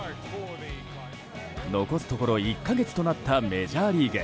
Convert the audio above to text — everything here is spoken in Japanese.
残すところ１か月となったメジャーリーグ。